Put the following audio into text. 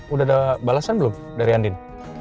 udah ada balasan belum dari andin